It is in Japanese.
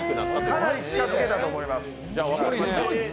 かなり近づけたと思います。